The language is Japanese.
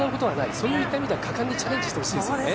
そういった意味では果敢にチャレンジしてほしいですね。